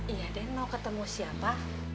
iya den mau ketemu siapa